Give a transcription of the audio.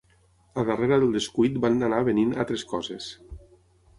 A darrera del descuit van anar venint altres coses